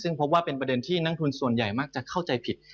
ซึ่งพบว่าเป็นประเด็นที่นักทุนส่วนใหญ่มักจะเข้าใจผิด